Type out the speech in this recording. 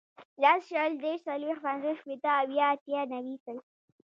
لس, شل, دېرس, څلوېښت, پنځوس, شپېته, اویا, اتیا, نوي, سل